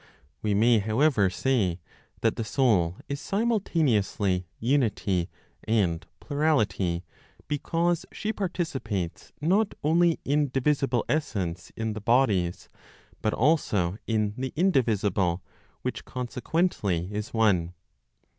We may however say that (the soul) is simultaneously unity and plurality, because she participates not only in divisible essence in the bodies, but also in the indivisible, which consequently is one.